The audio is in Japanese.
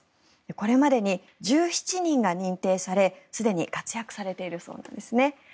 これまでに１７人が認定されすでに活躍されているそうです。